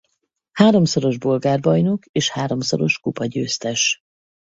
Háromszoros bolgár bajnok és háromszoros kupagyőztes.